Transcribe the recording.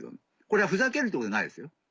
これはふざけるとかじゃないですよ。